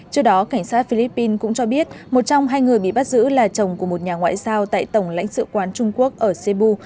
trước đó cảnh sát philippines cũng cho biết một trong hai người bị bắt giữ là chồng của một nhà ngoại giao tại tổng lãnh sự quán trung quốc ở sêbu